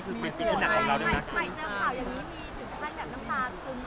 เพราะแบบไม่สวยทำไรก็ผิด